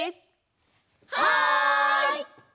はい！